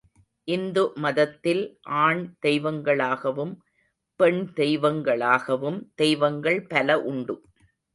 இந்து மதத்தில் ஆண், தெய்வங்களாகவும், பெண் தெய்வங்களாகவும் தெய்வங்கள் பல உண்டு.